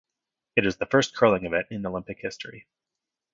It is the first curling event in Olympic history.